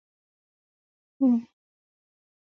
په هند کې ښخه چاړه به پښتانه بېرته را وباسي.